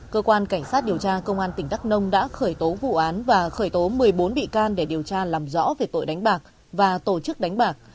cơ quan cảnh sát điều tra công an tỉnh đắk nông đã khởi tố vụ án và khởi tố một mươi bốn bị can để điều tra làm rõ về tội đánh bạc và tổ chức đánh bạc